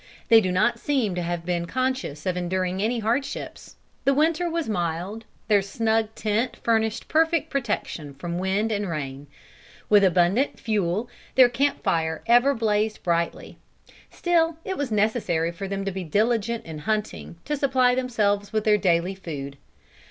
They do not seem to have been conscious of enduring any hardships. The winter was mild. Their snug tent furnished perfect protection from wind and rain. With abundant fuel, their camp fire ever blazed brightly. Still it was necessary for them to be diligent in hunting, to supply themselves with their daily food.